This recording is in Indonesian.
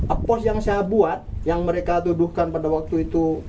a pos yang saya buat yang mereka dudukkan pada waktu itu